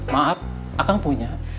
maaf akang punya